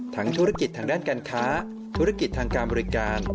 ธุรกิจทางด้านการค้าธุรกิจทางการบริการ